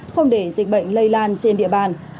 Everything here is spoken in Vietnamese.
không để dịch bệnh lây lan trên địa bàn